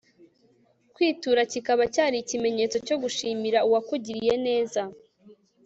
kwitura kikaba cyari ikimenyetso cyo gushimira uwakugiriye neza